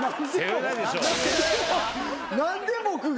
何で僕が？